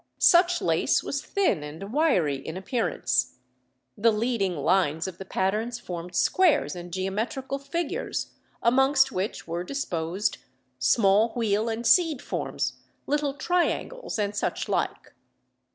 Such lace was thin and wiry in appearance. The leading lines of the patterns formed squares and geometrical figures, amongst which were disposed small wheel and seed forms, little triangles, and such like.